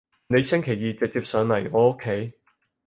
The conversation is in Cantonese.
你星期二直接上嚟我屋企